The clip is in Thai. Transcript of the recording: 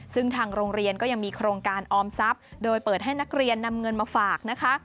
ซึ่งทางโรงเรียนก็ยังมีโครงการออมทรัพย์โดยเปิดให้นักเรียนนำเงินมาฝากนะคะ